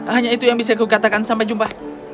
hanya itu yang bisa kukatakan sampai jumpa